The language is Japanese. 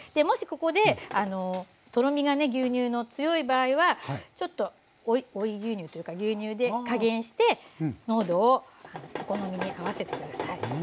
もしここでとろみがね牛乳の強い場合はちょっと追い牛乳というか牛乳で加減して濃度をお好みに合わせて下さい。